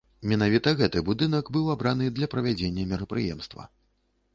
Менавіта гэты будынак быў абраны для правядзення мерапрыемства.